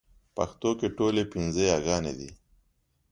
پښتو کې ټولې پنځه يېګانې دي